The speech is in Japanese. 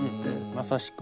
まさしく。